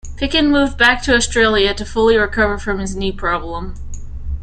Picken moved back to Australia to fully recover from his knee problem.